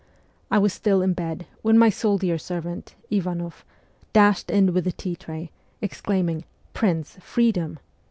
I was still in bed, when my soldier servant, Ivanoff, dashed in with the tea tray, exclaim ing, 'Prince, freedom!